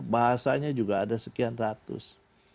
bahasanya juga ada sekian ratus